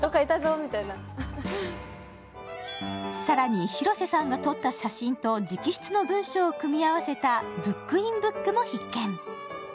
更に、広瀬さんが撮った写真と直筆の文章を組み合わせたブック・イン・ブックも必見。